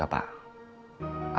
apa boleh pak